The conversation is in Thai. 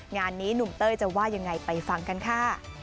งานนี้หนุ่มเต้ยจะว่ายังไงไปฟังกันค่ะ